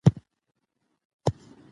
زه حسد نه کوم؛ بلکې هڅه کوم.